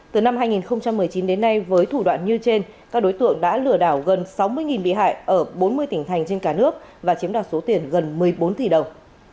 từ năm hai nghìn một mươi chín đến nay với thủ đoạn như trên các đối tượng đã lừa đảo gần sáu mươi bị hại ở bốn mươi tỉnh thành trên cả nước và chiếm đoạt số tiền gần một mươi bốn tỷ đồng